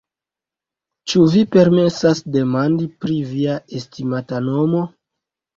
Ĉu vi permesas demandi pri via estimata nomo?